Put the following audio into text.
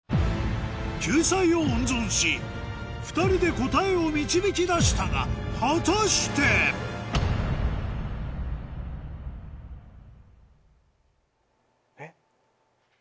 救済を温存し２人で答えを導き出したが果たしてえっ。